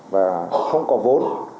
và không có vốn